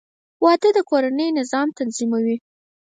• واده د کورني نظام تنظیم دی.